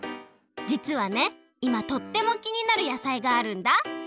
じつはねいまとってもきになる野菜があるんだ。